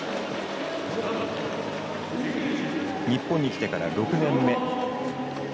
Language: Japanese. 日本に来てから６年目。